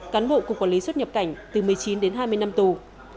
cán bộ cục quản lý xuất nhập cảnh từ một mươi chín đến hai mươi năm tù